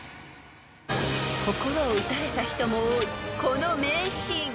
［心を打たれた人も多いこの名シーン］